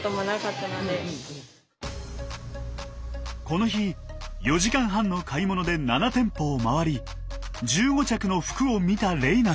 この日４時間半の買い物で７店舗を回り１５着の服を見た玲那さん。